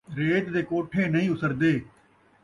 ریت دے کوٹھے نئیں اُسردے